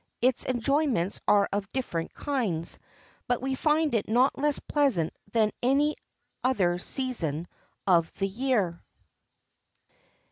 Its enjoyments are of different kinds, but we find it not less pleasant than any other season of the year.